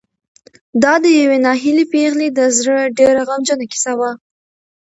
دا د یوې ناهیلې پېغلې د زړه ډېره غمجنه کیسه وه.